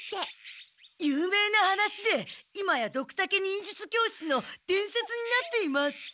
有名な話で今やドクタケ忍術教室のでんせつになっています。